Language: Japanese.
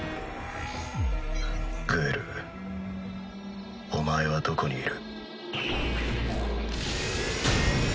グエルお前はどこにいる？